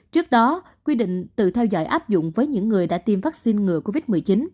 trước đó quy định tự theo dõi áp dụng với những người đã tiêm vaccine ngừa covid một mươi chín